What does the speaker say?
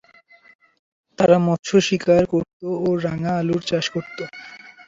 তারা মৎস্য শিকার করত ও রাঙা আলুর চাষ করত।